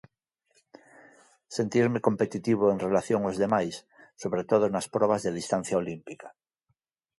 Sentirme competitivo en relación aos demais, sobre todo nas probas de distancia olímpica.